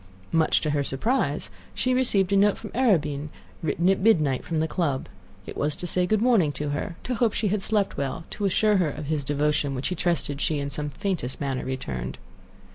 Much to her surprise she received a note from Arobin, written at midnight from the club. It was to say good morning to her, to hope she had slept well, to assure her of his devotion, which he trusted she in some faintest manner returned.